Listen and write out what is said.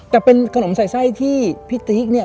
แต่เป็นขนมใส่ไส้ที่พี่ติ๊กเนี่ย